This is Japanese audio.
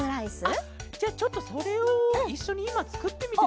あっじゃあちょっとそれをいっしょにいまつくってみても？